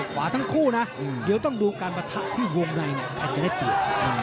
ขวาทั้งคู่นะเดี๋ยวต้องดูการปะทะที่วงในใครจะได้เปรียบ